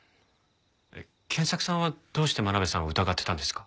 賢作さんはどうして真鍋さんを疑ってたんですか？